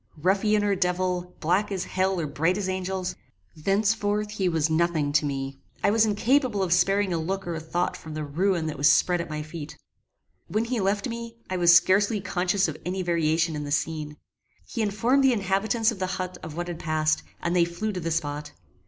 Ruffian or devil, black as hell or bright as angels, thenceforth he was nothing to me. I was incapable of sparing a look or a thought from the ruin that was spread at my feet. When he left me, I was scarcely conscious of any variation in the scene. He informed the inhabitants of the hut of what had passed, and they flew to the spot.